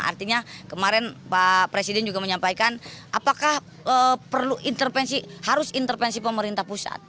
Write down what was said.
artinya kemarin pak presiden juga menyampaikan apakah perlu intervensi harus intervensi pemerintah pusat